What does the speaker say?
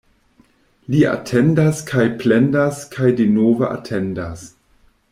Li atendas kaj plendas kaj denove atendas.